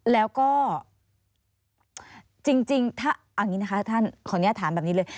แล้วก็จริงถ้าอันนี้นะคะท่านของนี้ถามแบบนี้เลย